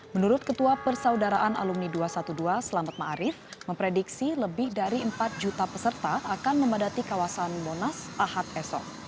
menurut ketua persaudaraan alumni dua ratus dua belas selamat ⁇ maarif ⁇ memprediksi lebih dari empat juta peserta akan memadati kawasan monas ahad esok